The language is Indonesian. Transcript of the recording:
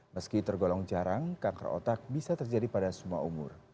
meski tergolong jarang kanker otak bisa terjadi pada semua umur